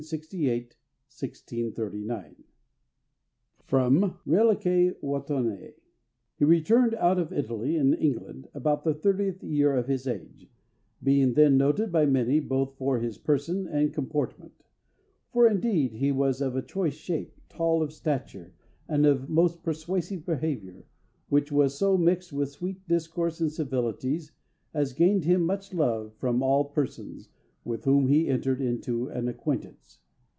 SIR HENRY WOTTON 1568 1639 [Sidenote: Reliquiæ Wottoninæ] "He returned out of Italy in England about the thirtieth year of his age, being then noted by many, both for his person and comportment; for indeed he was of a choice shape, tall of stature, and of a most persuasive behaviour; which was so mixed with sweet Discourse and Civilities, as gained him much love from all Persons with whom he entered into an acquaintance.